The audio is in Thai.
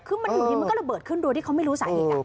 คือมันอยู่ดีมันก็ระเบิดขึ้นโดยที่เขาไม่รู้สาเหตุ